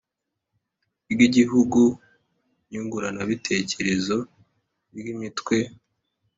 Ry igihugu nyunguranabitekerezo ry imitwe